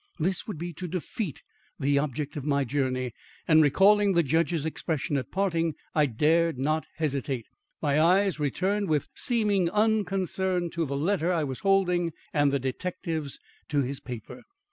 This would be to defeat the object of my journey, and recalling the judge's expression at parting, I dared not hesitate. My eyes returned with seeming unconcern to the letter I was holding and the detective's to his paper.